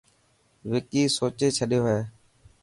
وڪي سوچي ڇڏيو هي.